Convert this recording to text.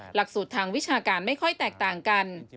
หลักสูตรทางวิชาการไม่ค่อยแตกต่างกัน